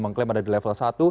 mengklaim ada di level satu